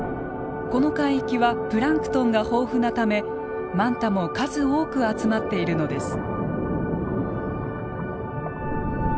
この海域はプランクトンが豊富なためマンタも数多く集まっているのです。